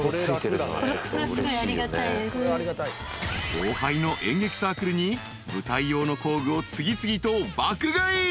［後輩の演劇サークルに舞台用の工具を次々と爆買い。